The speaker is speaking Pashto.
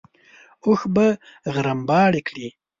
اوښ به غرمباړې کړې.